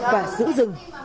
và giữ rừng